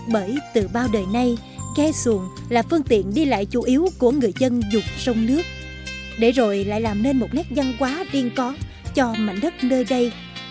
bởi từ bao đời nay ghe xuồng là phương tiện đi lại chủ yếu của người dân dục sông nước để rồi lại làm nên một nét văn hóa riêng có cho mảnh đất nơi đây